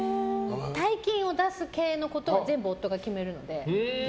大金を出す系のことは全部、夫が決めるので。